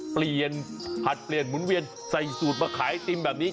เปลี่ยนผัดเปลี่ยนหมุนเวียนใส่สูตรมาขายไอติมแบบนี้